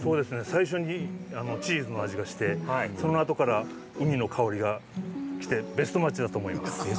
最初にチーズの味がしてそのあとからウニの香りがしてベストマッチだと思います。